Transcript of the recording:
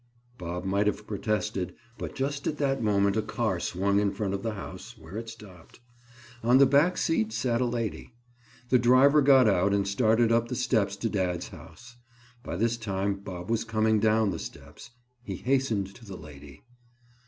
Bob might have protested, but just at that moment a car swung in front of the house, where it stopped. On the back seat sat a lady. The driver got out and started up the steps to dad's house. By this time Bob was coming down the steps. He hastened to the lady.